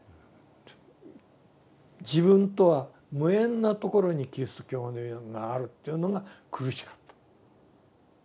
自分とは無縁なところにキリスト教があるというのが苦しかった。